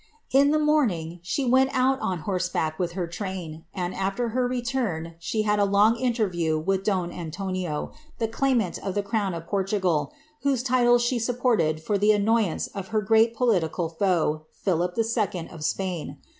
In the morning, she went out on horseback with her train, and af\er her return, she had a long interview with Don Antonio, the claimant of the crown of Portugal, whose title she supported for the annoyance of her great political foe, Philip II. of Spain.